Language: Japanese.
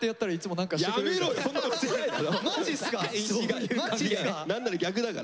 何なら逆だから。